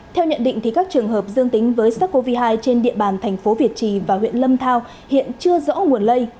theo nhận định các trường hợp dương tính với sars cov hai trên địa bàn thành phố việt trì và huyện lâm thao hiện chưa rõ nguồn lây